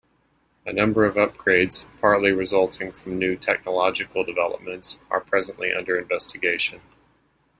A number of upgrades, partly resulting from new technological developments, are presently under investigation.